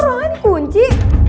rizky kok ruangnya dikunci